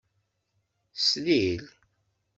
Slil.